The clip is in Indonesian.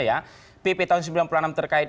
ya pp tahun sembilan puluh enam terkait